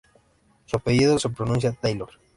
Su apellido se pronuncia "Taylor".